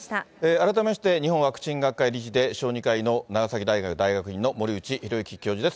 改めまして、日本ワクチン学会理事で、小児科医の長崎大学大学院の森内浩幸教授です。